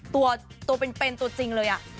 ตัวเป็นตัวจริงเลย